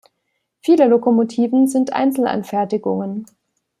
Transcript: Viele Lokomotiven sind Einzelanfertigungen.